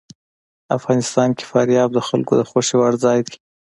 افغانستان کې فاریاب د خلکو د خوښې وړ ځای دی.